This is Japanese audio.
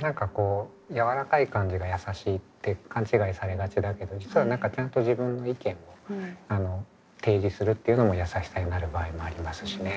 何かこうやわらかい感じがやさしいって勘違いされがちだけど実は何かちゃんと自分の意見を提示するっていうのもやさしさになる場合もありますしね。